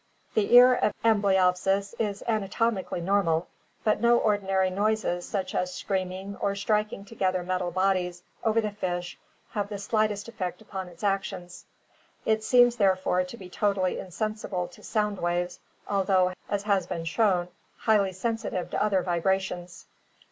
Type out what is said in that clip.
The ear of Amblyopsis is anatomically normal, but no ordinary noises such as screaming or striking together metal bodies over the fish have the slightest effect upon its actions. It seems therefore to be totally insensible to sound waves, although, as has been shown, highly sensitive to other vibrations.